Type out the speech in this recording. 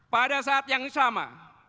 pada saat yang sama